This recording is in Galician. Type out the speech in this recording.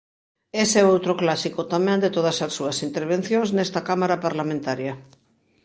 Ese é outro clásico tamén de todas as súas intervencións nesta cámara parlamentaria.